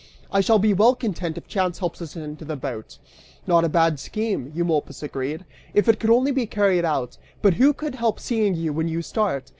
I shall be well content if chance helps us into the boat." "Not a bad scheme," Eumolpus agreed, "if it could only be carried out: but who could help seeing you when you start?